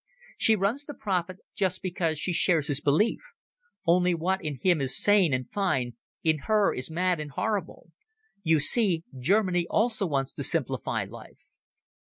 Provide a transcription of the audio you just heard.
She runs the prophet just because she shares his belief. Only what in him is sane and fine, in her is mad and horrible. You see, Germany also wants to simplify life."